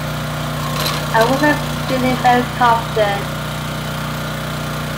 I wasn’t feeling very confident.